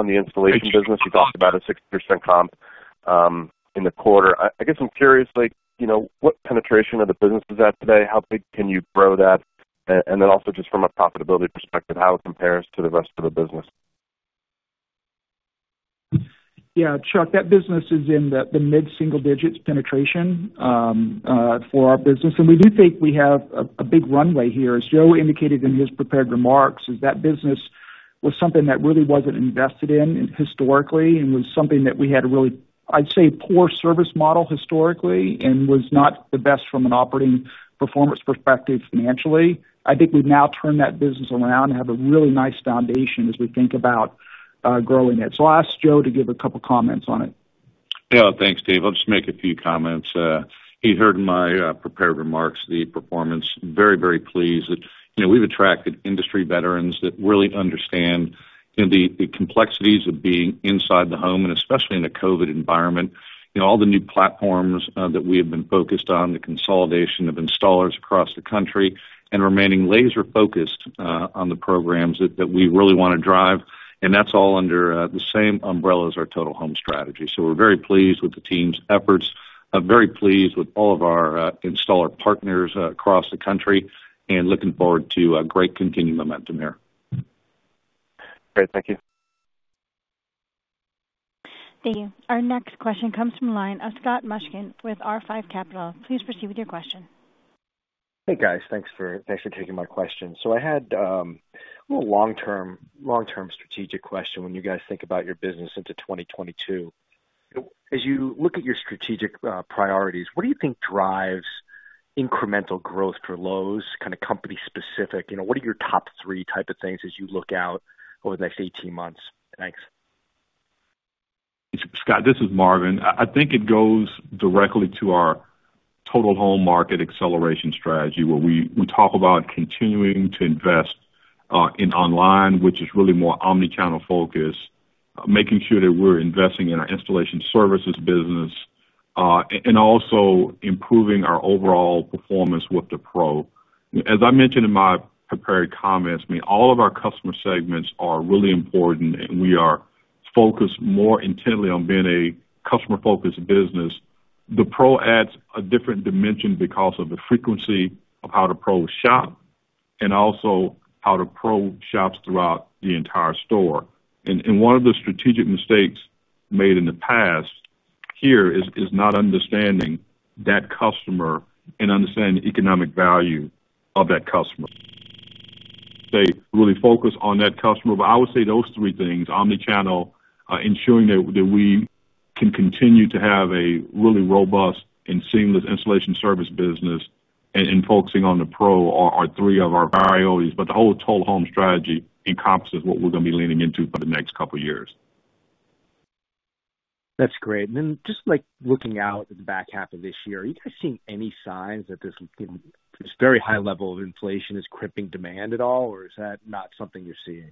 the installation business. You talked about a 60% comp in the quarter. I guess I'm curious, what penetration of the business is that today? How big can you grow that? Also just from a profitability perspective, how it compares to the rest of the business. Yeah, Chuck, that business is in the mid-single digits penetration for our business. We do think we have a big runway here. As Joe indicated in his prepared remarks, that business was something that really wasn't invested in historically and was something that we had a really, I'd say, poor service model historically and was not the best from an operating performance perspective financially. I think we've now turned that business around and have a really nice foundation as we think about growing it. I'll ask Joe to give a couple comments on it. Thanks, Dave. I'll just make a few comments. You heard in my prepared remarks the performance. Very pleased that we've attracted industry veterans that really understand the complexities of being inside the home, and especially in a COVID environment. All the new platforms that we have been focused on, the consolidation of installers across the country, and remaining laser focused on the programs that we really want to drive. That's all under the same umbrella as our Total Home Strategy. We're very pleased with the team's efforts. I'm very pleased with all of our installer partners across the country and looking forward to a great continued momentum there. Great. Thank you. Thank you. Our next question comes from the line of Scott Mushkin with R5 Capital. Please proceed with your question. Hey, guys. Thanks for taking my question. I had a long-term strategic question when you guys think about your business into 2022. As you look at your strategic priorities, what do you think drives incremental growth for Lowe's, kind of company specific? What are your top three type of things as you look out over the next 18 months? Thanks. Scott, this is Marvin. I think it goes directly to our total home market acceleration strategy, where we talk about continuing to invest in online, which is really more omni-channel focused, making sure that we're investing in our installation services business, and also improving our overall performance with the pro. As I mentioned in my prepared comments, all of our customer segments are really important, and we are focused more intently on being a customer-focused business. The pro adds a different dimension because of the frequency of how the pros shop and also how the pro shops throughout the entire store. One of the strategic mistakes made in the past here is not understanding that customer and understanding the economic value of that customer. They really focus on that customer. I would say those three things, omni-channel, ensuring that we can continue to have a really robust and seamless installation service business, and focusing on the pro are three of our priorities. The whole home strategy encompasses what we're going to be leaning into for the next couple of years. That's great. Then just looking out at the back half of this year, are you guys seeing any signs that this very high level of inflation is crimping demand at all? Is that not something you're seeing?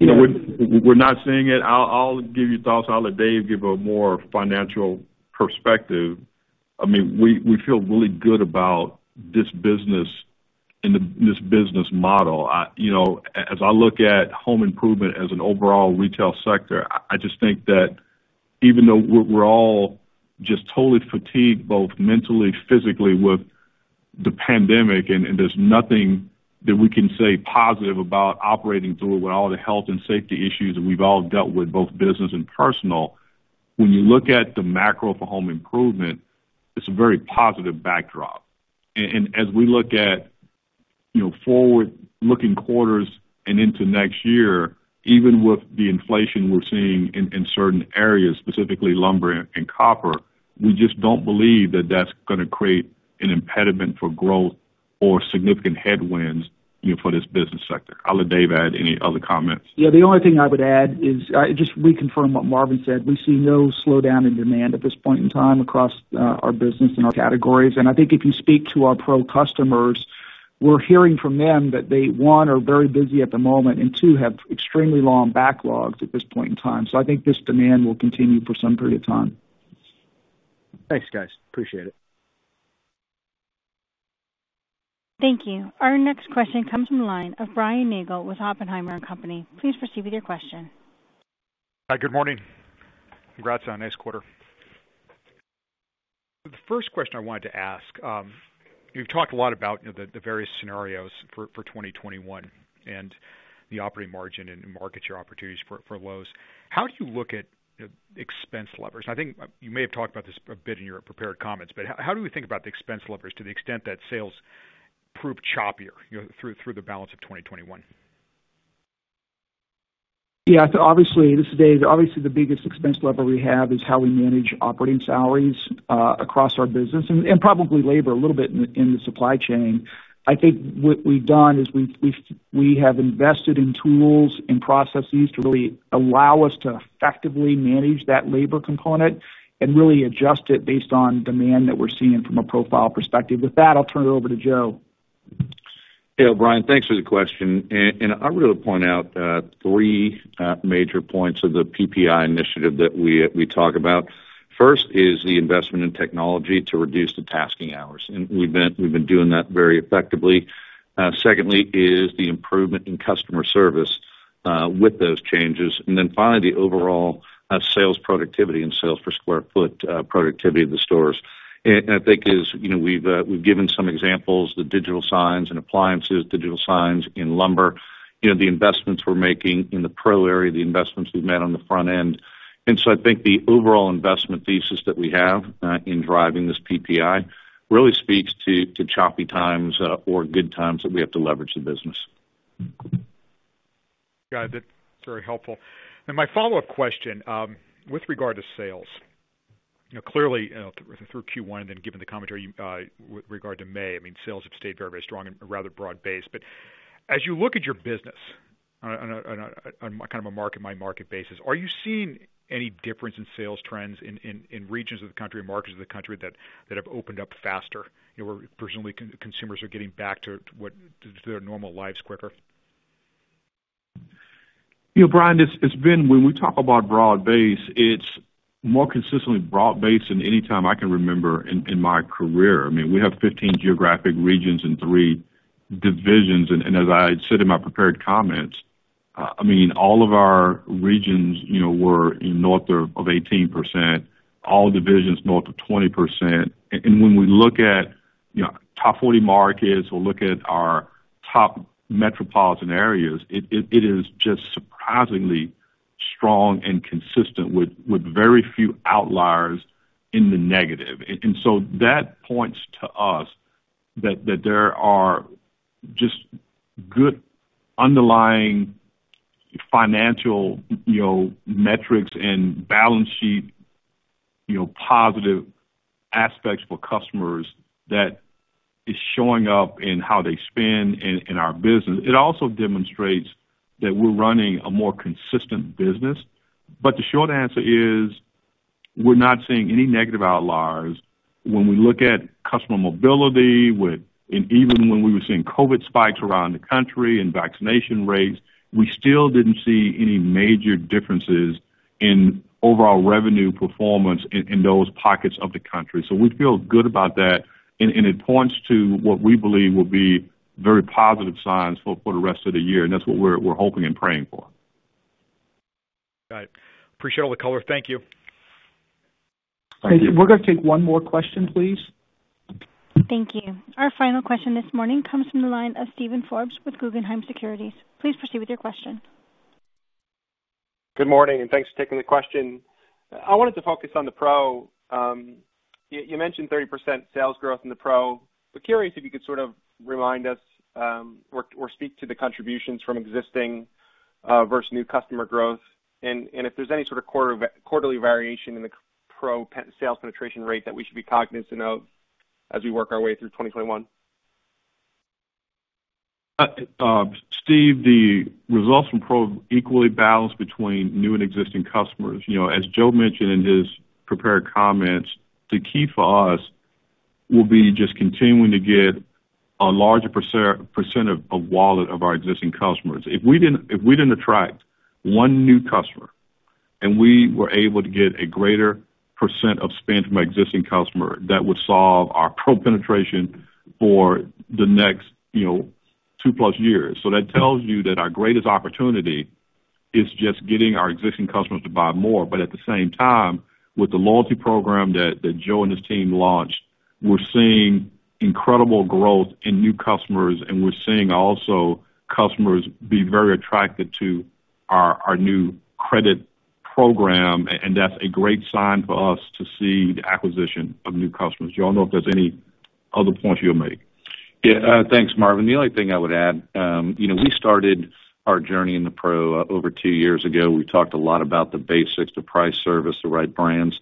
We're not seeing it. I'll give you thoughts. I'll let Dave give a more financial perspective. We feel really good about this business and this business model. As I look at home improvement as an overall retail sector, I just think that even though we're all just totally fatigued, both mentally, physically with the pandemic, and there's nothing that we can say positive about operating through it with all the health and safety issues that we've all dealt with, both business and personal. When you look at the macro for home improvement, it's a very positive backdrop. As we look at forward-looking quarters and into next year, even with the inflation we're seeing in certain areas, specifically lumber and copper, we just don't believe that that's going to create an impediment for growth or significant headwinds for this business sector. I'll let Dave add any other comments. Yeah, the only thing I would add is just to reconfirm what Marvin said. We see no slowdown in demand at this point in time across our business and our categories. I think if you speak to our pro customers, we're hearing from them that they, one, are very busy at the moment, and two, have extremely long backlogs at this point in time. I think this demand will continue for some period of time. Thanks, guys. Appreciate it. Thank you. Our next question comes from the line of Brian Nagel with Oppenheimer & Co. Please proceed with your question. Hi, good morning. Congrats on a nice quarter. The first question I wanted to ask, you talked a lot about the various scenarios for 2021 and the operating margin and market share opportunities for Lowe's. How do you look at expense levers? I think you may have talked about this a bit in your prepared comments, but how do we think about the expense levers to the extent that sales prove choppier through the balance of 2021? Yeah. This is Dave. Obviously, the biggest expense lever we have is how we manage operating salaries across our business and probably labor a little bit in the supply chain. I think what we've done is we have invested in tools and processes to really allow us to effectively manage that labor component and really adjust it based on demand that we're seeing from a profile perspective. With that, I'll turn it over to Joe McFarland. Yeah, Brian, thanks for the question. I'm going to point out three major points of the PPI initiative that we talk about. First is the investment in technology to reduce the tasking hours, and we've been doing that very effectively. Secondly is the improvement in customer service with those changes. Finally, the overall sales productivity and sales per square foot productivity of the stores. I think as we've given some examples, the digital signs and appliances, digital signs in lumber, the investments we're making in the pro area, the investments we've made on the front end. I think the overall investment thesis that we have in driving this PPI really speaks to choppy times or good times that we have to leverage the business. Got it. That's very helpful. My follow-up question with regard to sales, clearly through Q1 and given the commentary with regard to May, sales have stayed very strong and rather broad-based. As you look at your business on a kind of market by market basis, are you seeing any difference in sales trends in regions of the country or markets of the country that have opened up faster, where presumably consumers are getting back to their normal lives quicker? Brian, when we talk about broad base, it's more consistently broad base than any time I can remember in my career. We have 15 geographic regions and three divisions. As I said in my prepared comments. All of our regions were north of 18%, all divisions north of 20%. When we look at top 40 markets or look at our top metropolitan areas, it is just surprisingly strong and consistent with very few outliers in the negative. That points to us that there are just good underlying financial metrics and balance sheet positive aspects for customers that is showing up in how they spend in our business. It also demonstrates that we're running a more consistent business. The short answer is, we're not seeing any negative outliers. When we look at customer mobility, and even when we were seeing COVID spikes around the country and vaccination rates, we still didn't see any major differences in overall revenue performance in those pockets of the country. We feel good about that, and it points to what we believe will be very positive signs for the rest of the year, and that's what we're hoping and praying for. Got it. Appreciate all the color. Thank you. We're going to take one more question, please. Thank you. Our final question this morning comes from the line of Steven Forbes with Guggenheim Securities. Please proceed with your question. Good morning, and thanks for taking the question. I wanted to focus on the Pro. You mentioned 30% sales growth in the Pro. We're curious if you could sort of remind us or speak to the contributions from existing versus new customer growth, and if there's any sort of quarterly variation in the Pro sales penetration rate that we should be cognizant of as we work our way through 2021? Steve, the results from Pro equally balanced between new and existing customers. As Joe McFarland mentioned in his prepared comments, the key for us will be just continuing to get a larger % of wallet of our existing customers. If we didn't attract one new customer, and we were able to get a greater % of spend from existing customer, that would solve our Pro penetration for the next two plus years. That tells you that our greatest opportunity is just getting our existing customers to buy more. At the same time, with the loyalty program that Joe McFarland and his team launched, we're seeing incredible growth in new customers, and we're seeing also customers be very attracted to our new credit program, and that's a great sign for us to see the acquisition of new customers. Joe McFarland, I don't know if there's any other points you'll make. Yeah. Thanks, Marvin. The only thing I would add, we started our journey in the Pro over two years ago. We talked a lot about the basics, the price service, the right brands,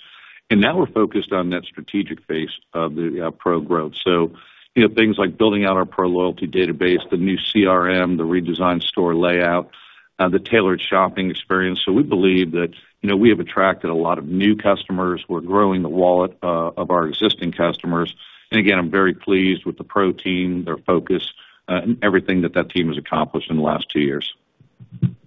and now we're focused on that strategic base of the Pro growth. Things like building out our Pro loyalty database, the new CRM, the redesigned store layout, the tailored shopping experience. We believe that we have attracted a lot of new customers. We're growing the wallet of our existing customers. Again, I'm very pleased with the Pro team, their focus, and everything that that team has accomplished in the last two years. Thank you.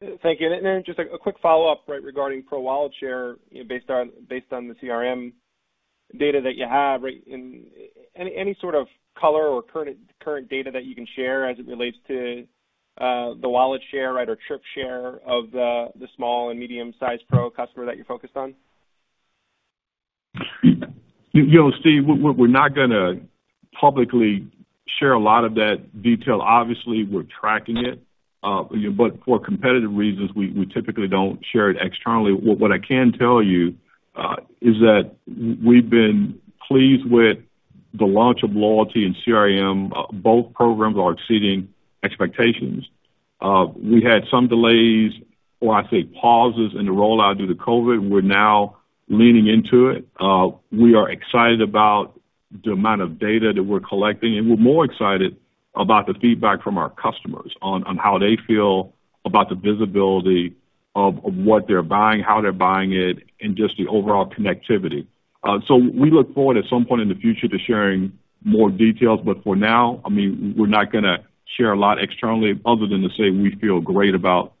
Just a quick follow-up regarding Pro wallet share based on the CRM data that you have. Any sort of color or current data that you can share as it relates to the wallet share or trip share of the small and medium sized Pro customer that you're focused on? Steve, we're not going to publicly share a lot of that detail. Obviously, we're tracking it. For competitive reasons, we typically don't share it externally. What I can tell you is that we've been pleased with the launch of loyalty and CRM. Both programs are exceeding expectations. We had some delays, or I'd say pauses in the rollout due to COVID. We're now leaning into it. We are excited about the amount of data that we're collecting, and we're more excited about the feedback from our customers on how they feel about the visibility of what they're buying, how they're buying it, and just the overall connectivity. We look forward at some point in the future to sharing more details. For now, we're not going to share a lot externally other than to say we feel great about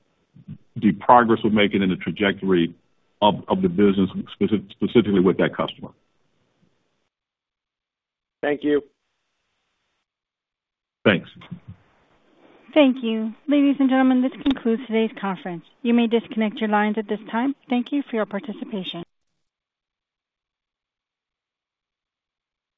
the progress we're making and the trajectory of the business specifically with that customer. Thank you. Thanks. Thank you. Ladies and gentlemen, this concludes today's conference. You may disconnect your lines at this time. Thank you for your participation.